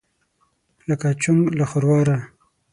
لکه: چونګ له خرواره.